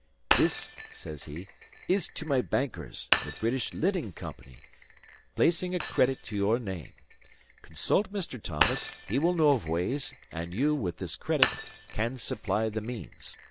"This," says he, "is to my bankers, the British Linen Company, placing a credit to your name. Consult Mr. Thomson, he will know of ways; and you, with this credit, can supply the means.